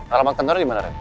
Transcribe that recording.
alamak tentara dimana